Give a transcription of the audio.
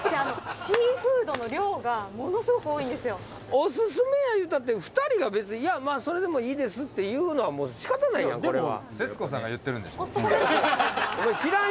おすすめや言うたって２人が別に「いやまあそれでもいいです」って言うのは仕方ないやんこれは。